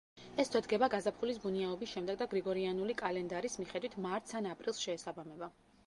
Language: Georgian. ეს თვე დგება გაზაფხულის ბუნიაობის შემდეგ და გრიგორიანული კალენდარის მიხედვით მარტს ან აპრილს შეესაბამება.